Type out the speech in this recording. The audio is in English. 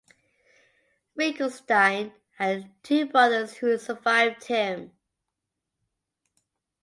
Finkelstein had two brothers who survived him.